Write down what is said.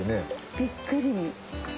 びっくり。